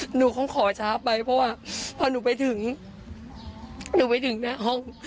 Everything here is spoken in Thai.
หนูคงขอช้าไปเพราะว่าพอหนูไปถึงหนูไปถึงหน้าห้อง